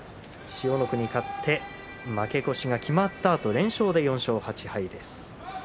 千代の国、勝って負け越しが決まったあと連勝で４勝８敗です。